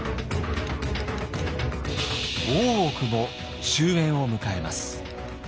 大奥も終焉を迎えます。